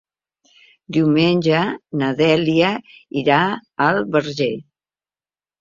Diumenge na Dèlia irà al Verger.